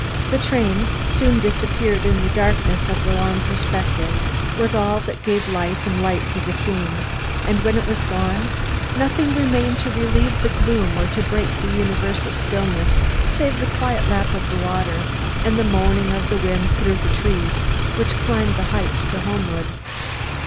The train, soon to disappear in the darkness of the long perspective, was all that gave life and light to the scene, and when it was gone, nothing remained to relieve the gloom or to break the universal stillness save the quiet lap of the water and the moaning of the wind through the trees which climbed the heights to Homewood.